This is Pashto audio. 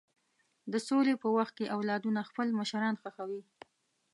د سولې په وخت کې اولادونه خپل مشران ښخوي.